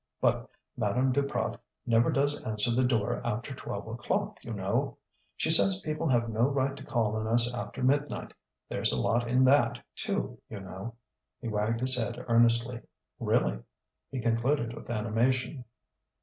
"But Madame Duprat never does answer the door after twelve o'clock, you know. She says people have no right to call on us after midnight. There's a lot in that, too, you know." He wagged his head earnestly. "Really!" he concluded with animation.